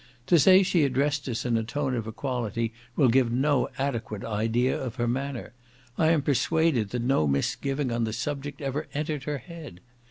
To say she addressed us in a tone of equality, will give no adequate idea of her manner; I am persuaded that no misgiving on the subject ever entered her head.